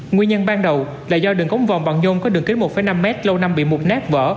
nguyên nhân ban đầu là do đường cống vòng bằng nhôn có đường kết một năm m lâu năm bị mụt nát vỡ